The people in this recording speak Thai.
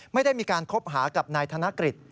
ไม่ได้มีการคบหากับนายธนกฤษ